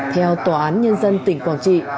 theo tòa án nhân dân tỉnh quảng trị